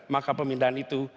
maka pemindahan itu